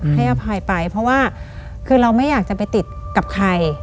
ให้อภัยไปเพราะว่าคือเราไม่อยากจะไปติดกับใคร